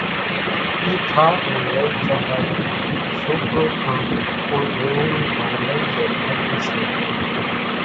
اِي ٿار نين لئِي جھا ۿارُو سوڪرو ڪان ڪونئين نياڻي پڻ لئي زئي ۿڳي سي